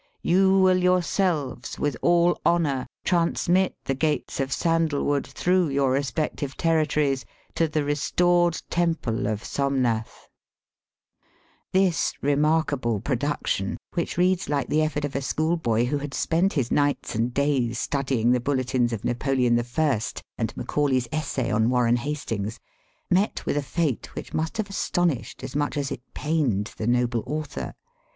You will yourselves with all honour transmit the gates of sandalwood through your respective territories to the restored Temple of Somnath." This remarkable production, which reads like the effort of a schoolboy who had spent his nights and days studying the bulletins of Digitized by VjOOQIC THE CAPITAL OF THE GREAT MOGUL. 279 Napoleon the First and Macaulay's essay on Warren Hastings, met with a fate which must have astonished as much as it pained the noble author.